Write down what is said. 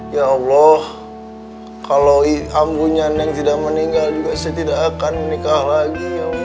ya allah kalau ibu neng tidak meninggal juga saya tidak akan nikah lagi ya allah